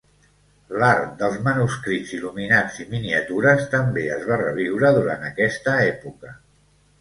L'art dels manuscrits il·luminats i miniatures també es va reviure durant aquesta època.